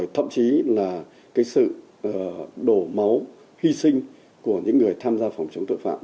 thậm chí là sự đổ máu hy sinh của những người tham gia phòng chống tội phạm